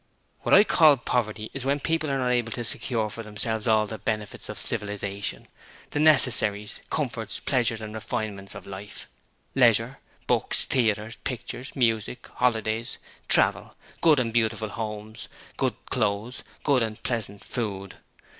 'What I call poverty is when people are not able to secure for themselves all the benefits of civilization; the necessaries, comforts, pleasures and refinements of life, leisure, books, theatres, pictures, music, holidays, travel, good and beautiful homes, good clothes, good and pleasant food.'